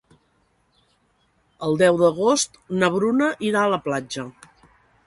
El deu d'agost na Bruna irà a la platja.